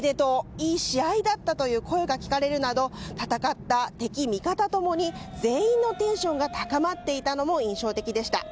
いい試合だったという声が聞かれるなど戦った敵味方共に全員のテンションが高まっていたのも印象的でした。